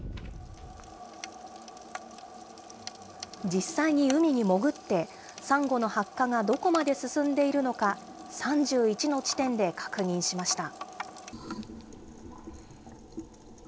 実際に海に潜って、サンゴの白化がどこまで進んでいるのか、３１の地点で確認しました。